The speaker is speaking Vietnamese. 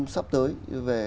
sắp tới về